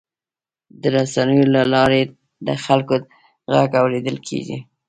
د رسنیو له لارې د خلکو غږ اورېدل کېږي.